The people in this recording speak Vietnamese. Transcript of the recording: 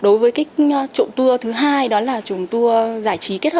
đối với trụng tour thứ hai đó là trùng tour giải trí kết hợp